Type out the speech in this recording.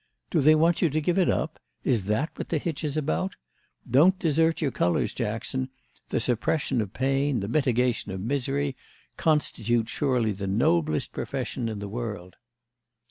"Do they want you to give it up? Is that what the hitch is about? Don't desert your colours, Jackson. The suppression of pain, the mitigation of misery, constitute surely the noblest profession in the world."